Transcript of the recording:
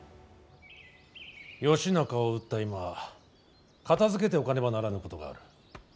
義仲を討った今片づけておかねばならぬことがある。